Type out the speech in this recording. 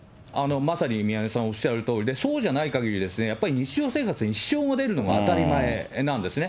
まさに宮根さんおっしゃるとおりで、そうじゃないかぎりですね、やっぱり日常生活に支障が出るのが当たり前なんですね。